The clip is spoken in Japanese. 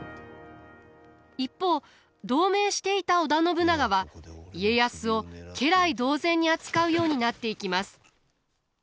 一方同盟していた織田信長は家康を家来同然に扱うようになっていきます。